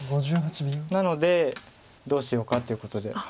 なのでどうしようかということで。